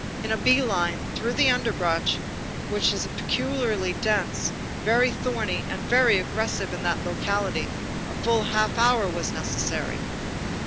In a bee line, through the underbrush, which is peculiarly dense, very thorny, and very aggressive in that locality, a full half hour was necessary.